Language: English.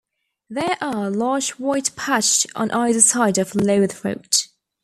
There are large white patched on either side of lower throat.